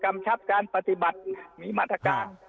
ชับการปฏิบัติมีมาตรการ